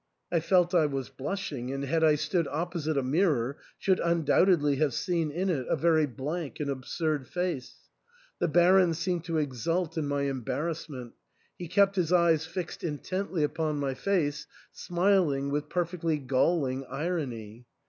I felt I was blushing, and had I stood opposite a mirror should undoubtedly have seen in it a very blank and absurd face. The Baron seemed to exult in my embar rassment ; he kept his eyes fixed intently upon my face, smiling with perfectly galling irony.